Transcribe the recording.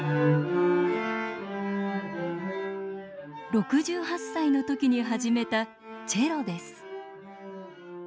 ６８歳の時に始めたチェロです。